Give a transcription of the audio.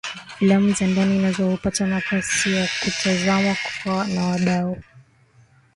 Filamu za ndani nazo hupata nafasi ya kutazamwa na wadau